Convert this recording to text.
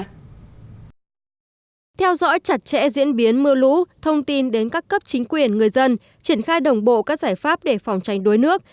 theo dõi chặt chẽ diễn biến mưa lũ thông tin đến các cấp chính quyền người dân triển khai đồng bộ các giải pháp để phòng tranh đuối nước